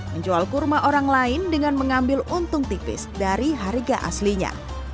menjual kurma orang lain dengan mengambil untung tipis dari harga aslinya